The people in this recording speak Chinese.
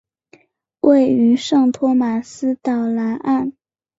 位于圣托马斯岛南岸。